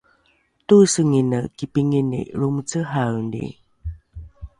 toesengine kipingini lromecehaeni